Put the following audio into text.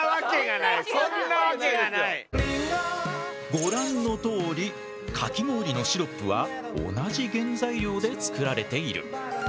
ご覧のとおりかき氷のシロップは同じ原材料で作られている。